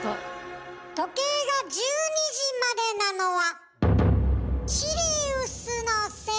時計が１２時までなのはシリウスのせい。